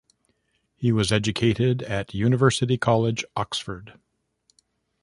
He was educated at University College, Oxford.